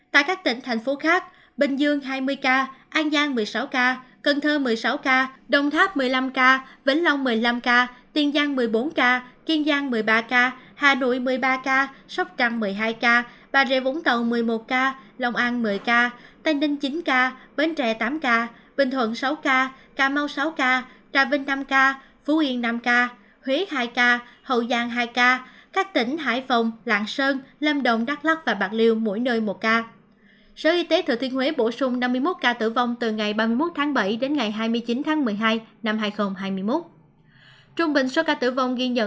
tại các tỉnh thành phố khác bình dương hai mươi ca an giang một mươi sáu ca cần thơ một mươi sáu ca đồng tháp một mươi năm ca vĩnh long một mươi năm ca tiền giang một mươi bốn ca kiên giang một mươi ba ca hà nội một mươi ba ca sóc trăng một mươi hai ca bà rịa vũng tàu một mươi một ca lòng an một mươi ca tây ninh chín ca vến trẻ tám ca bình thuận sáu ca cà mau sáu ca trà vinh năm ca phú yên năm ca huế hai ca hậu giang hai ca các tỉnh hải phòng lạng sơn lâm đồng đắk lắk và bạc liêu mỗi nơi một ca